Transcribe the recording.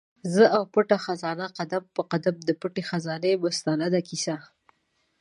زه او پټه خزانه؛ قدم په قدم د پټي خزانې مستنده کیسه